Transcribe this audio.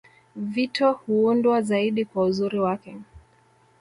Vito huundwa zaidi kwa uzuri wake